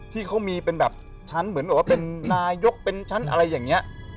ที่เขามีชั้นเหมือนว่าเป็นนายกชั้นอะไรอย่างนี้